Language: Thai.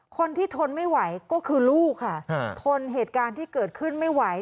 คนที่ทนไม่ไหวก็คือลูกค่ะทนเหตุการณ์ที่เกิดขึ้นไม่ไหว